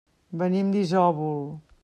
Venim d'Isòvol.